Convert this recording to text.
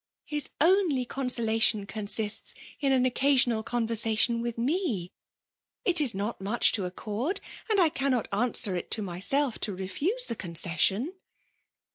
His only ccfkiaolation consists in an occasional conversation with mei it is not mudi to accords and I cannot answer it to myself to refuse the concessitm.